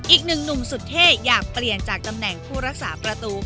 อีกหนึ่งหนุ่มสุดเท่อยากเปลี่ยนจากตำแหน่งผู้รักษาประตู